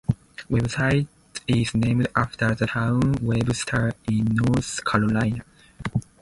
Websterite is named after the town Webster in North Carolina.